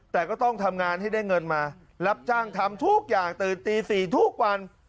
แต่ก็ต้องทำงานให้ได้เงินมารับจ้างทำทุกอย่างตื่นตี๔ทุกวัน